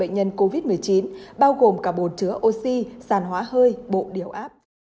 bệnh nhân covid một mươi chín bao gồm cả bồn chứa oxy sàn hóa hơi bộ điều áp